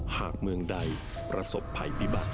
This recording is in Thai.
หากเมืองใดประศพไผบิบัติ